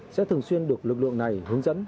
sẽ thường xuyên được lực lượng này hướng dẫn